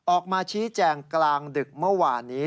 ออกมาชี้แจงกลางดึกเมื่อวานนี้